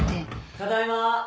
・・ただいま。